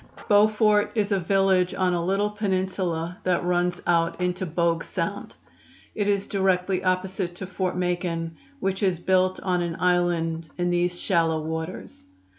Beaufort is a village on a little peninsula that runs out into Bogue Sound. It is directly opposite to Fort Macon, which is built on an island in these shallow waters.